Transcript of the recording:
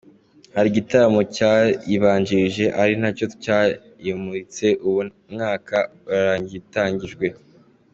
Hari igitaramo cyayibanjirije ari nacyo cyayimuritse, ubu umwaka urarangiye itangijwe.